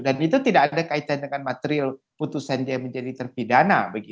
dan itu tidak ada kaitan dengan material putusan dia menjadi terpidana